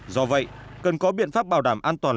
do vậy cần có biện pháp bảo đảm an toàn